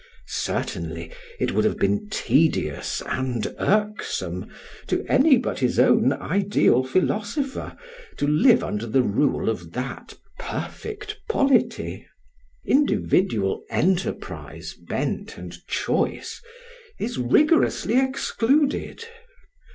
Certainly it would have been tedious and irksome to any but his own ideal philosopher to live under the rule of that perfect polity. Individual enterprise, bent, and choice is rigorously excluded.